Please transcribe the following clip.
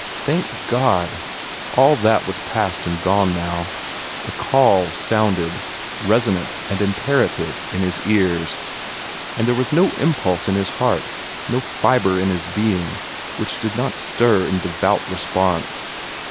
Thank God! all that was past and gone now. The Call sounded, resonant and imperative, in his ears, and there was no impulse of his heart, no fibre of his being, which did not stir in devout response.